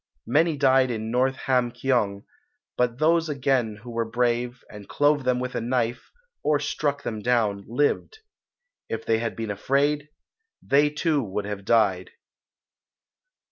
Many died in North Ham kyong, but those again who were brave, and clove them with a knife, or struck them down, lived. If they had been afraid, they too would have died.